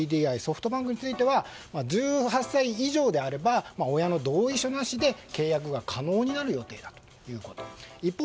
ソフトバンクについては１８歳以上であれば親の同意書なしで契約が可能になる予定だということです。